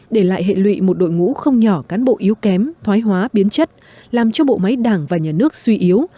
để lại hệ lụy một đội ngũ không nhỏ cán bộ yếu kém thoái hóa biến chất làm cho bộ máy đảng và nhà nước suy yếu